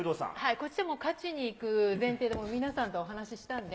こっちも勝ちにいく前提で、もう皆さんとお話したんで、